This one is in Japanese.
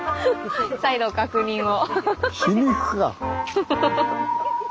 再度確認を。